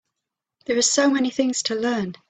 There are so many things to learn.